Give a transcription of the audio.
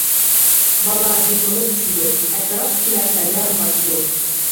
بالا يىقىلىپ چۈشىدۇ، ئەتراپتىكىلەر بەدەر قاچىدۇ.